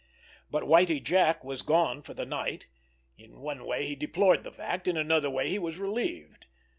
But Whitie Jack was gone for the night. In one way he deplored that fact, in another way he was relieved.